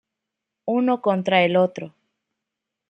Uno contra el otro.